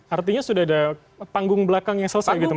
artinya sudah ada panggung belakang yang selesai gitu